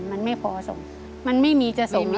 มันไม่พอส่งมันไม่มีจะส่ง